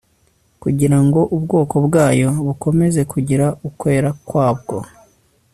kugira ngo ubwoko bwayo bukomeze kugira ukwera kwabwo